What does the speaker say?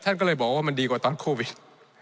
ท่านก็เลยบอกว่ามันดีกว่าตอนโควิด